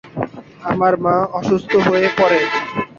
আমার মা অসুস্থ হয়ে পড়ে।